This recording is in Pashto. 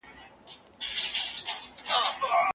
د وینې شکر د انسولین د کمښت له امله زیاتېږي.